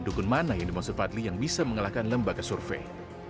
dukun mana yang dimaksud fadli yang bisa mengalahkan lembaga survei